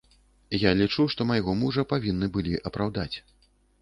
Я лічу, што майго мужа павінны былі апраўдаць.